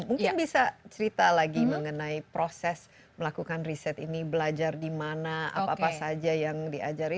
mungkin bisa cerita lagi mengenai proses melakukan riset ini belajar di mana apa apa saja yang diajari